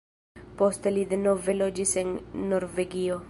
Poste li denove loĝis en Norvegio.